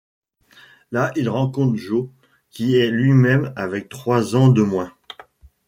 Là, il rencontre Joe, qui est lui-même avec trois ans de moins.